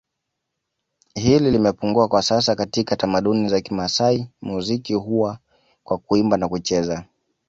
hili limepungua kwa sasa katika tamaduni za Kimasai muziki huwa kwa Kuimba na kucheza